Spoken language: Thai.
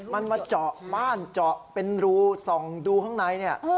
มันมาเจาะบ้านเจาะเป็นรูส่องดูข้างในเนี่ย